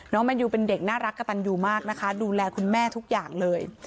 แมนยูเป็นเด็กน่ารักกระตันยูมากนะคะดูแลคุณแม่ทุกอย่างเลย